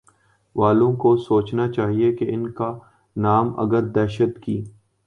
والوں کو سوچنا چاہیے کہ ان کانام اگر دہشت کی